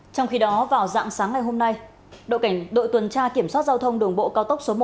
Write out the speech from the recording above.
trong khi đó vào dạng sáng ngày hôm nay đội tuần tra kiểm soát giao thông đường bộ cao tốc số một